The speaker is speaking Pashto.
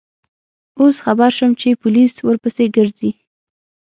اوس خبر شوم چې پولیس ورپسې گرځي.